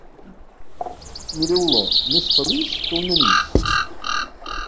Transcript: Mireu-lo, més feliç que un anís.